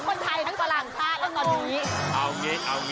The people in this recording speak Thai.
คุณค่ะในเรื่องทางคนไทยทั้งฝรั่งภาคและตอนนี้